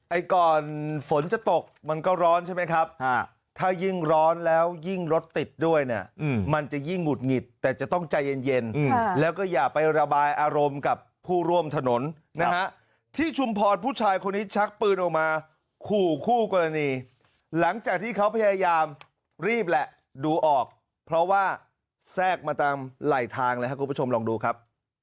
ก่อนฝนจะตกมันก็ร้อนใช่ไหมครับถ้ายิ่งร้อนแล้วยิ่งรถติดด้วยเนี่ยมันจะยิ่งหุดหงิดแต่จะต้องใจเย็นแล้วก็อย่าไประบายอารมณ์กับผู้ร่วมถนนนะฮะที่ชุมพรผู้ชายคนนี้ชักปืนออกมาขู่คู่กรณีหลังจากที่เขาพยายามรีบแหละดูออกเพราะว่าแทรกมาตามไหลทางเลยครับคุณผู้ชมลองดูครับ